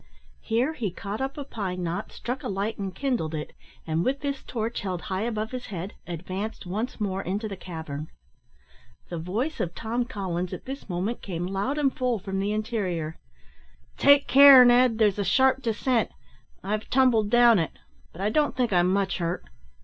Here he caught up a pine knot, struck a light and kindled it, and, with this torch held high above his head, advanced once more into the cavern. The voice of Tom Collins at this moment came loud and full from the interior, "Take care, Ned, there's a sharp descent; I've tumbled down it, but I don't think I'm much hurt."